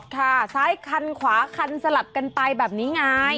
ค่ะซ้ายคันขวาคันสลับกันไปแบบนี้ไง